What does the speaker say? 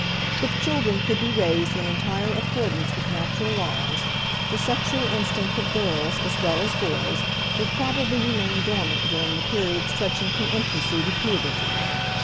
If children could be raised in entire accordance with natural laws, the sexual instinct of girls as well as boys would probably remain dormant during the period stretching from infancy to puberty.